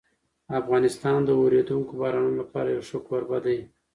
افغانستان د اورېدونکو بارانونو لپاره یو ښه کوربه دی.